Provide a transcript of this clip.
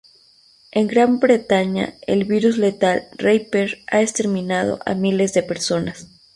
En Gran Bretaña el virus letal "Reaper" ha exterminado a miles de personas.